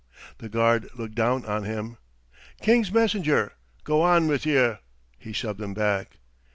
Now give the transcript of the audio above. The guard looked down on him. "King's messenger! Go on with yer!" He shoved him back.